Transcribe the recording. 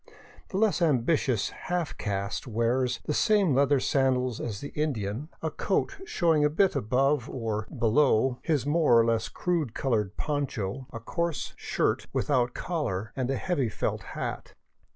The less ambitious half caste wears the same leather sandal as the Indian, a coat showing a bit above or below 503 VAGABONDING DOWN THE ANDES his more or less crude colored poncho, a coarse shirt without collar, and a heavy felt hat.